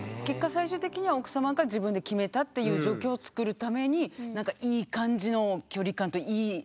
最終的には奥様が自分で決めたっていう状況を作るためになんかいい感じの距離感といい根回ししてっていう。